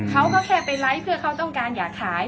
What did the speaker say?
เขาก็แค่ไปไลค์เพื่อเขาต้องการอยากขาย